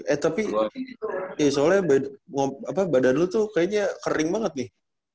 eh tapi ya soalnya badan lu tuh kayaknya kering banget nih